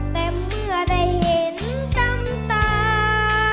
แต่เมื่อได้เห็นน้ำตา